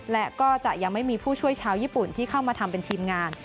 และก็จะยังไม่มีผู้ช่วยชาวญี่ปุ่นที่เข้ามาทำเป็นทีมงาน